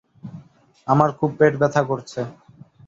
আমার খুব পেট ব্যাথা করছে।